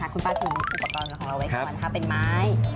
คุณป้าถืออุปกรณ์ของเราไว้ก่อนถ้าเป็นไม้